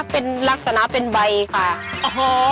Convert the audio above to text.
เป็นลักษณะเป็นใบค่ะ